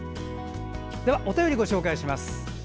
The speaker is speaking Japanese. では、お便りをご紹介します。